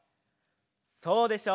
そうでしょ？